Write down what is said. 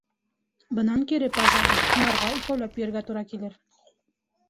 Бынан кире, пажали, һунарға икәүләп йөрөргә тура килер...